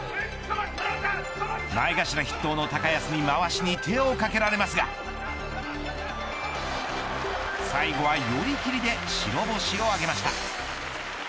前頭筆頭の高安にまわしに手をかけられますが最後は寄り切りで白星を挙げました。